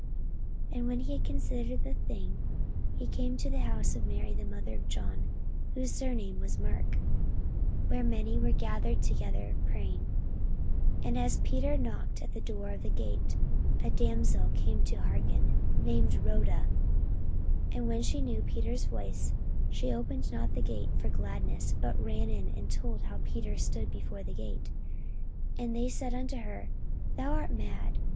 44:012:012 And when he had considered the thing, he came to the house of Mary the mother of John, whose surname was Mark; where many were gathered together praying. 44:012:013 And as Peter knocked at the door of the gate, a damsel came to hearken, named Rhoda. 44:012:014 And when she knew Peter's voice, she opened not the gate for gladness, but ran in, and told how Peter stood before the gate. 44:012:015 And they said unto her, Thou art mad.